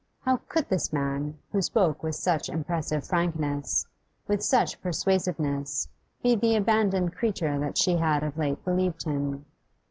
How could this man, who spoke with such impressive frankness, with such persuasiveness, be the abandoned creature that she had of late believed him?